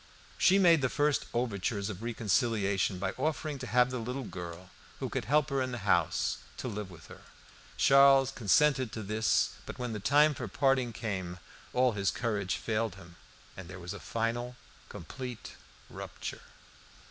She made the first overtures of reconciliation by offering to have the little girl, who could help her in the house, to live with her. Charles consented to this, but when the time for parting came, all his courage failed him. Then there was a final, complete rupture.